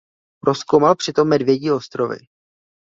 Prozkoumal přitom Medvědí ostrovy.